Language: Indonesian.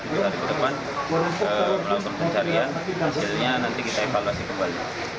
teman teman melakukan pencarian hasilnya nanti kita evaluasi kembali